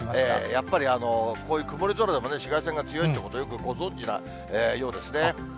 やっぱり、こういう曇り空でも紫外線が強いということをよくご存じなようですね。